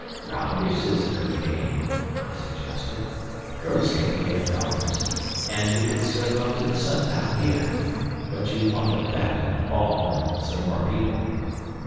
"Rounders is a good game," I suggested. "Girls can play at rounders. And we could serve up to the sun dial here. But you want a bat and a ball, and some more people."